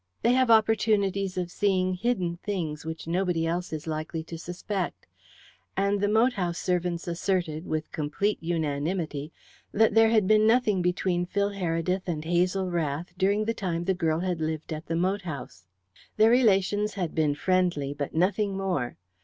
They have opportunities of seeing hidden things which nobody else is likely to suspect. And the moat house servants asserted, with complete unanimity, that there had been nothing between Phil Heredith and Hazel Rath during the time the girl had lived at the moat house. Their relations had been friendly, but nothing more.